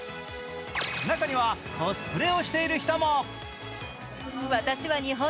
中にはコスプレをしている人も。